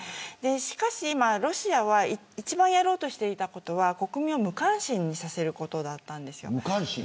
しかし今、ロシアは一番やろうとしていたことは国民を無関心にさせることだったんです。